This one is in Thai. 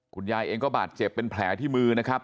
คุณยายเองก็บาดเจ็บเป็นแผลที่มือนะครับ